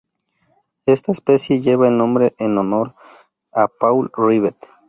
Esta especie lleva el nombre en honor a Paul Rivet.